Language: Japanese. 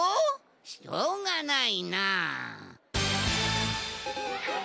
しょうがないなあ。